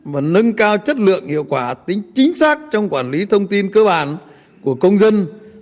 và nâng cao chất lượng hiệu quả tính chính xác trong quản lý thông tin cơ bản của công dân